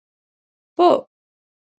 په